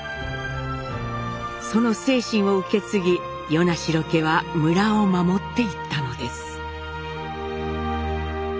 その精神を受け継ぎ与那城家は村を守っていったのです。